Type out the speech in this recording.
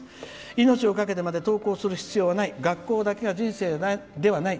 命を懸けてまで登校する必要はない学校だけが人生ではない。